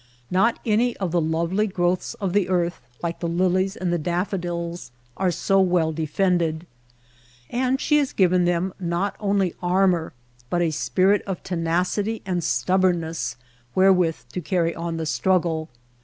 Not any of the lovely growths of the earth, like the lilies and the daffodils, are so well de fended. And she has given them not only armor but a spirit of tenacity and stubbornness wherewith to carry on the struggle.